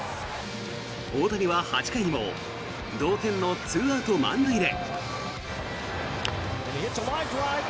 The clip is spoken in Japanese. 大谷は８回にも同点の２アウト満塁で。